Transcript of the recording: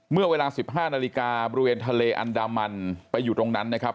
เมื่อเวลา๑๕นาฬิกาบริเวณทะเลอันดามันไปอยู่ตรงนั้นนะครับ